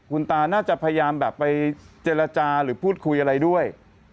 คุณตาน่าจะพยายามแบบไปเจรจาหรือพูดคุยอะไรด้วย